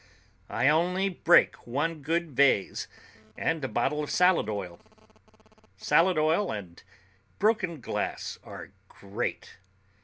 I only break one good vase and a bottle of salad oil. Salad oil and broken glass are great.